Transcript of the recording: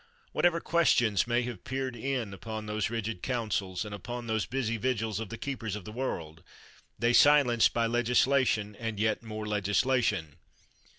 whatever questions may have peered in upon those rigid counsels and upon those busy vigils of the keepers of the world, they silenced by legislation and yet more legislation.